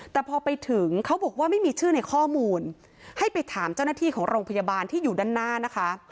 แต่พอไปถึงเขาบอกว่าไม่มีชื่อในข้อมูลให้ไปถามเจ้าหน้าที่ของโรงพยาบาลที่อยู่ด้านหน้านะคะ